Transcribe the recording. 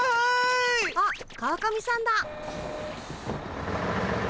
あっ川上さんだ。